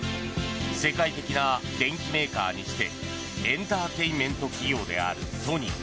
世界的な電機メーカーにしてエンターテインメント企業であるソニー。